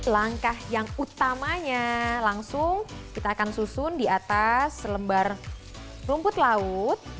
langkah yang utamanya langsung kita akan susun di atas lembar rumput laut